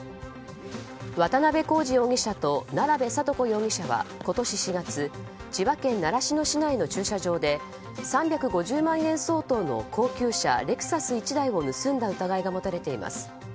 渡辺功二容疑者と奈良部哲子容疑者は千葉県習志野市内の駐車場で３５０万円相当の高級車レクサス１台を盗んだ疑いが持たれています。